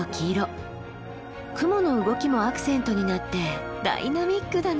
雲の動きもアクセントになってダイナミックだな。